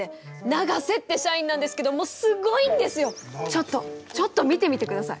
ちょっとちょっと見てみてください。